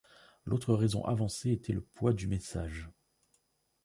L'autre raison avancée était le poids du message.